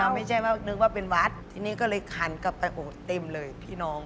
ไม่ใช่ว่านึกว่าเป็นวัดทีนี้ก็เลยหันกลับไปโอดเต็มเลยพี่น้อง